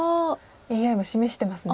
ＡＩも示してますね。